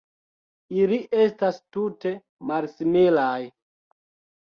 Ili estas tute malsimilaj.